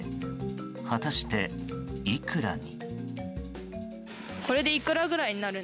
果たして、いくらに？